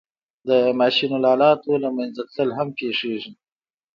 د ماشین آلاتو له منځه تلل هم پېښېږي